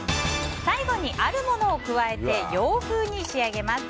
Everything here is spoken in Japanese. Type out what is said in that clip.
最後にあるものを加えて洋風に仕上げます。